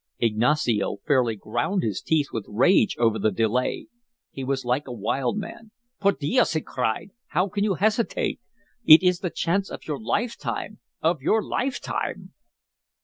Ignacio fairly ground his teeth with rage over the delay; he was like a wild man. "Por dios," he cried, "how can you hesitate? It is the chance of your lifetime of your lifetime!"